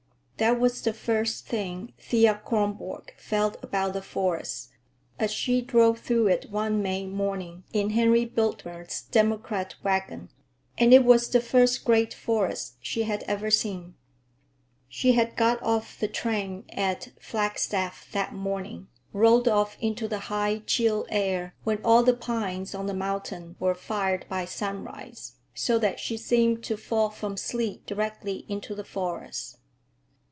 That was the first thing Thea Kronborg felt about the forest, as she drove through it one May morning in Henry Biltmer's democrat wagon—and it was the first great forest she had ever seen. She had got off the train at Flagstaff that morning, rolled off into the high, chill air when all the pines on the mountain were fired by sunrise, so that she seemed to fall from sleep directly into the forest.